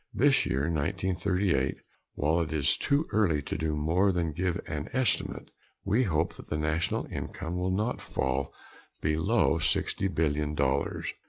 This year, 1938, while it is too early to do more than give an estimate, we hope that the national income will not fall below sixty billion dollars.